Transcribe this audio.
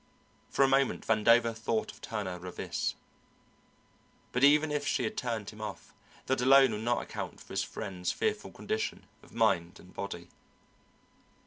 For a moment Vandover thought of Turner Ravis. But even if she had turned him off, that alone would not account for his friend's fearful condition of mind and body.